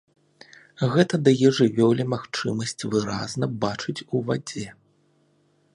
Гэта дае жывёле магчымасць выразна бачыць у вадзе.